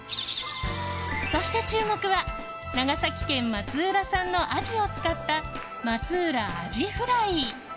そして注目は長崎県松浦産のアジを使った松浦アジフライ。